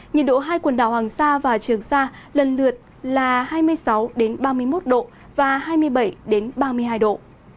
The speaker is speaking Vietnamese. nhiệt độ hai quần đảo hoàng sa và trường sa lần lượt là hai mươi sáu ba mươi một độ và hai mươi bảy ba mươi hai độ